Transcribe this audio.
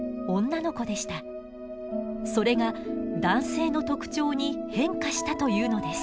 それが男性の特徴に変化したというのです。